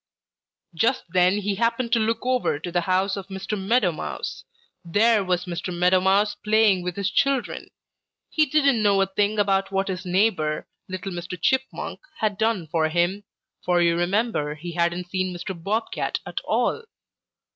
"Just then he happened to look over to the house of Mr. Meadow Mouse. There was Mr. Meadow Mouse playing with his children. He didn't know a thing about what his neighbor, little Mr. Chipmunk, had done for him, for you remember he hadn't seen Mr. Bob Cat at all.